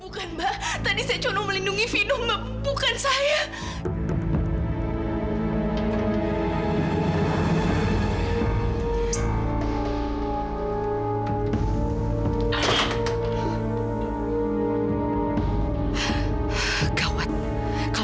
sampai jumpa di video selanjutnya